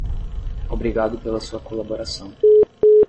Obrigado pela sua colaboração.